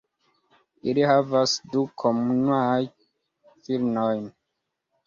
Ili havas du komunajn filinojn.